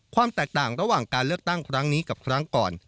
ความแตกต่างระหว่างการเลือกตั้งครั้งนี้กับครั้งก่อน